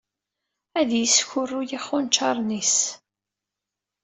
Ad yeskuruy ixunčaren-is.